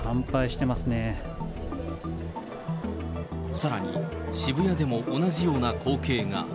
さらに、渋谷でも同じような光景が。